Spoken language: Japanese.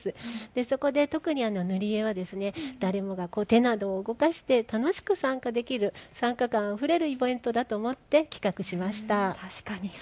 そこで特に塗り絵は誰もが手などを動かして楽しく参加できる参加感あふれるイベントだと思って企画しました。